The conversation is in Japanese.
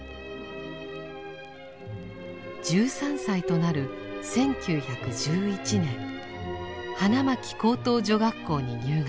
１３歳となる１９１１年花巻高等女学校に入学。